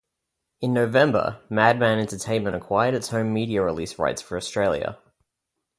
In November, Madman Entertainment acquired its home media release rights for Australia.